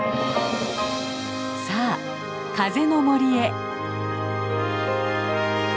さあ風の森へ。